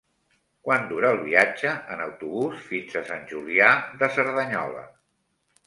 Quant dura el viatge en autobús fins a Sant Julià de Cerdanyola?